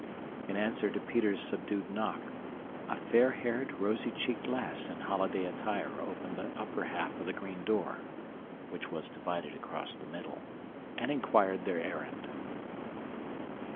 In answer to Peter's subdued knock, a fair haired, rosy cheeked lass in holiday attire opened the upper half of the green door (which was divided across the middle) and inquired their errand.